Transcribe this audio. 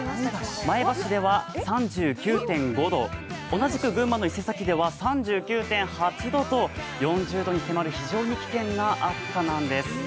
前橋では３９．５度、同じく群馬の伊勢崎では３９．８度と４０度に迫る非常に危険な暑さなんです。